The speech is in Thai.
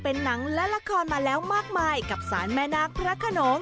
เป็นหนังและละครมาแล้วมากมายกับสารแม่นาคพระขนง